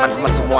sama temen semua